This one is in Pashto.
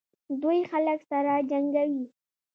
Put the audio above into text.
دوی خلک سره جنګوي.